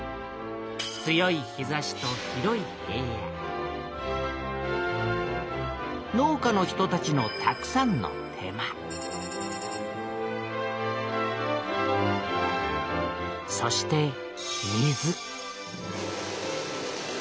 強い日差しと広い平野農家の人たちのたくさんの手間そして水